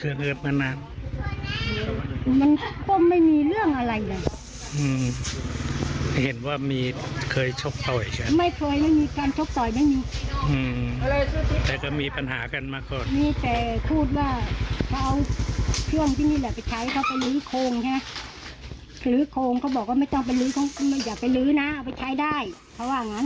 ลื้อโครงเขาบอกว่าไม่ต้องไปลื้ออย่าไปลื้อนะเอาไปใช้ได้เพราะว่างั้น